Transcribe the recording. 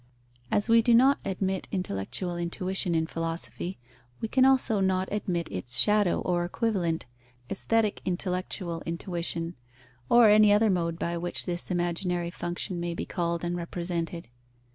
As we do not admit intellectual intuition in philosophy, we can also not admit its shadow or equivalent, aesthetic intellectual intuition, or any other mode by which this imaginary function may be called and represented.